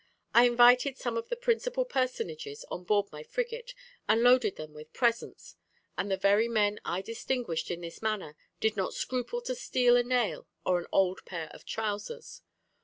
I invited some of the principal personages on board my frigate, and loaded them with presents; and the very men I distinguished in this manner did not scruple to steal a nail or an old pair of trousers.